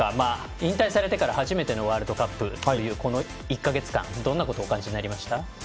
引退されてから初めてのワールドカップというこの１か月間、どんなことをお感じになりましたか？